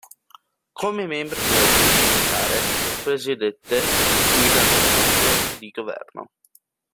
Come membro della giunta militare, presiedette il comitato economico di governo.